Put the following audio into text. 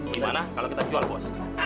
gimana kalau kita jual bos